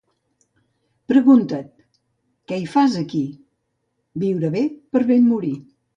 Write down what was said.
Pregunta't: —Què hi fas aquí? Viure bé per ben morir.